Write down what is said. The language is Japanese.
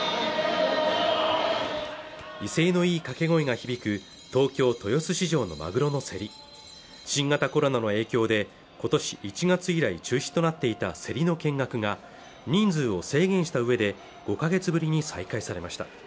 威勢のいい掛け声が響く東京・豊洲市場のマグロの競り新型コロナの影響で今年１月以来中止となっていた競りの見学が人数を制限したうえで５か月ぶりに再開されました